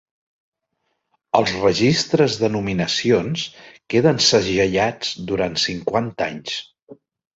Els registres de nominacions queden segellats durant cinquanta anys.